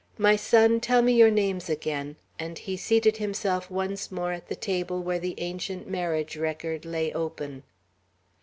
My son, tell me your names again;" and he seated himself once more at the table where the ancient marriage record lay open.